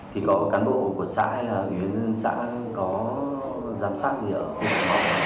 thì có cán bộ của xã hay là người dân dân xã có giám sát gì ở khu vực mò không